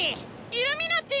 イルミナティ！